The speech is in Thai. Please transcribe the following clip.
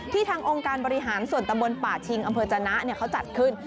ทางองค์การบริหารส่วนตำบลป่าชิงอำเภอจนะเขาจัดขึ้น